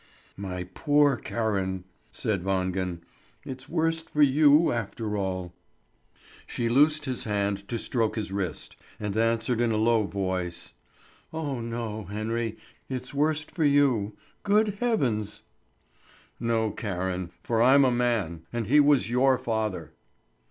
"My poor Karen!" said Wangen. "It's worst for you after all." She loosed his hand to stroke his wrist, and answered in a low voice: "Oh no, Henry! It's worst for you. Good heavens!" "No, Karen, for I'm a man; and he was your father."